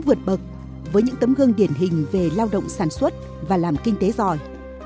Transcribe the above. vượt bậc với những tấm gương điển hình về lao động sản xuất và làm kinh tế giỏi